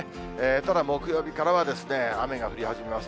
ただ木曜日からは雨が降り始めます。